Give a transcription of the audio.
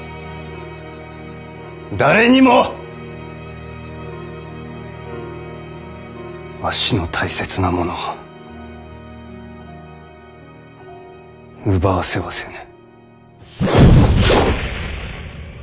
誰にもわしの大切なものを奪わせはせぬ。